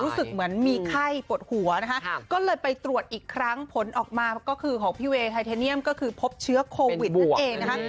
รู้สึกเหมือนมีไข้ปวดหัวนะคะก็เลยไปตรวจอีกครั้งผลออกมาก็คือของพี่เวย์ไทเทเนียมก็คือพบเชื้อโควิดนั่นเองนะคะ